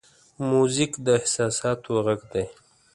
موزیک د احساساتو غږ دی.